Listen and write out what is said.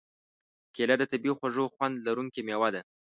کېله د طبعیي خوږ خوند لرونکې مېوه ده.